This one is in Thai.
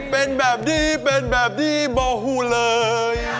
เป็นแบบนี้เบาหูเลย